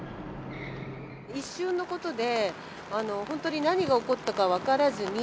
一瞬のことで、本当に何が起こったか分からずに。